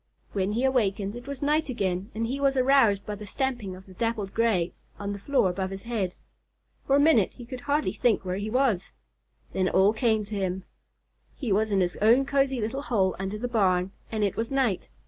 When he awakened, it was night again and he was aroused by the stamping of the Dappled Gray on the floor above his head. For a minute he could hardly think where he was. Then it all came to him. He was in his own cozy little hole under the barn, and it was night.